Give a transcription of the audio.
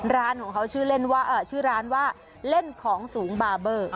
ร้านของเขาชื่อเล่นว่าชื่อร้านว่าเล่นของสูงบาร์เบอร์